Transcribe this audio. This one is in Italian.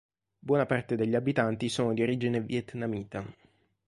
Buona parte degli abitanti sono di origine vietnamita.